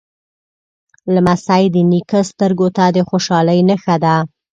لمسی د نیکه سترګو ته د خوشحالۍ نښه ده.